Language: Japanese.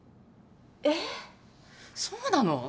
えっそうなの？